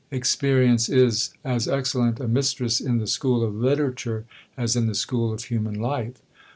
Experience is as excellent a mistress in the school of literature as in the school of human life.